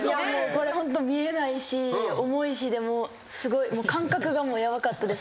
これホント見えないし重いしで感覚がもうヤバかったです